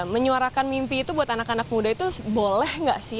menyuarakan mimpi itu buat anak anak muda itu boleh nggak sih